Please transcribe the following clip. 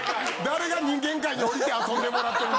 誰が人間界におりて遊んでもらってる。